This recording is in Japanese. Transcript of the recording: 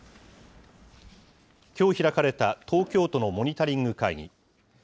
きょう開かれた東京都のモニタリング会議。